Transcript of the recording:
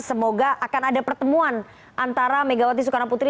semoga akan ada pertemuan antara megawati soekarno putri